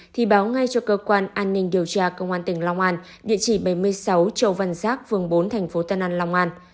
thì báo ngay cho cơ quan an ninh điều tra công an tỉnh long an địa chỉ bảy mươi sáu châu văn giác phường bốn thành phố tân an long an